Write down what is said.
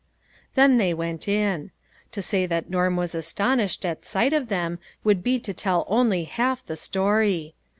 Then they went in. To say that Norm was astonished at sight of them, would be to tell only half the story.